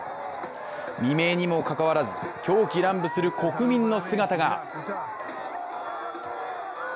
未明にもかかわらず狂喜乱舞する国民の姿が。